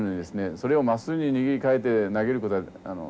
それをまっすぐに握り替えて投げることは非常に難しい。